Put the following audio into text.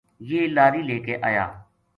یہ لاری لے کے آیا